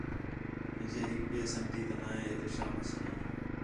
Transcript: مینجے ہک ٻئے سنڳتی تا ناں ہے احتشام حسنی